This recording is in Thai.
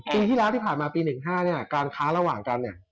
ปีที่แล้วที่ผ่านมาปี๑๕เนี่ยการค้าระหว่างกันเนี่ย